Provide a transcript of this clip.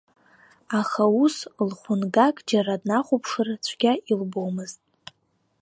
Аха ус лхәынгак џьара днахәаԥшыр цәгьа илбомызт.